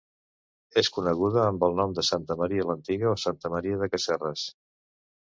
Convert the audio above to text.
És coneguda amb el nom de santa Maria l'antiga o santa Maria de Casserres.